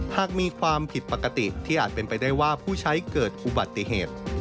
หากมีความผิดปกติที่อาจเป็นไปได้ว่าผู้ใช้เกิดอุบัติเหตุ